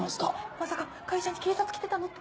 まさか会社に警察来てたのって。